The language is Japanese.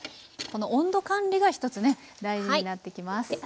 この温度管理が一つね大事になってきます。